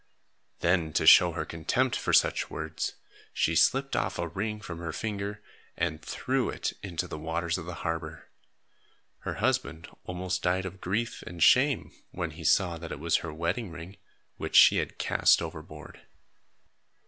Then, to show her contempt for such words, she slipped off a ring from her finger and threw it into the waters of the harbor. Her husband almost died of grief and shame, when he saw that it was her wedding ring, which she had cast overboard.